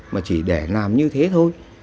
mà chỉ để làm như thế thôi